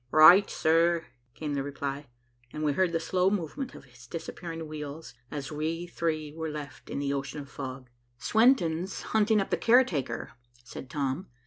"Right, sir," came the reply, and we heard the slow movement of his disappearing wheels, as we three were left in the ocean of fog. "Swenton's hunting up the caretaker," said Tom.